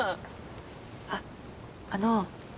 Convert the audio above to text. あっあの。